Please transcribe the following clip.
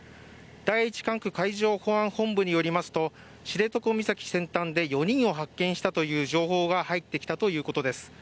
第一管区海上保安本部によりますと知床岬先端で４人を発見したという情報が入ってきたということです。